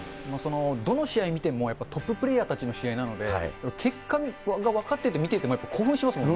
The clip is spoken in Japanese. どの試合見ても、トッププレーヤーたちの試合なので、結果が分かってて見ていても、興奮しますもんね。